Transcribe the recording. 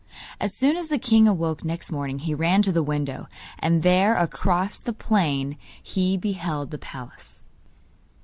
As soon as the king awoke next morning he ran to the window, and there across the plain he beheld the palace.